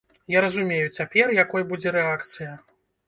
Я разумею цяпер, якой будзе рэакцыя.